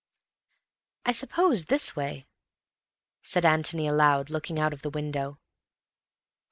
"I suppose this way," said Antony aloud, looking out of the window.